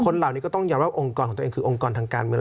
เหล่านี้ก็ต้องยอมรับองค์กรของตัวเองคือองค์กรทางการเมือง